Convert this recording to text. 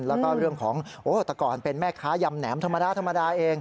แล้วก็เรื่องของโอ้แต่ก่อนเป็นแม่ค้ายำแหนมธรรมดาธรรมดาเอง